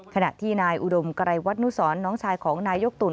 ขณะที่นายอุดมไกรวัตนุสรน้องชายของนายกตุ่น